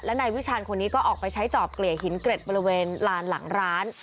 นายวิชาณคนนี้ก็ออกไปใช้จอบเกลี่ยหินเกร็ดบริเวณลานหลังร้าน